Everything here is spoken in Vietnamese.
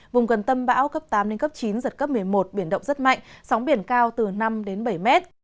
vùng gần tâm bão cấp tám chín giật cấp một mươi một biển động rất mạnh sóng biển cao từ năm bảy m